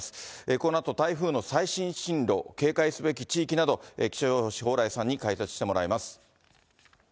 このあと台風の最新進路、警戒すべき地域など、気象予報士、蓬莱さんに解説してもらいます。